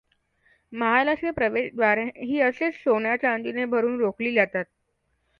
महालाचे प्रवेशद्वार ही असेच सोन्या चांदीने भरून रोखले जाते.